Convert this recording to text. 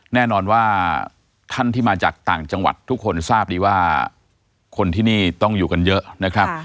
แน่นอนว่าท่านที่มาจากต่างจังหวัดทุกคนทราบดีว่าคนที่นี่ต้องอยู่กันเยอะนะครับ